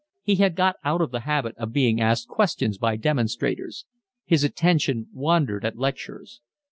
He had got out of the habit of being asked questions by demonstrators. His attention wandered at lectures.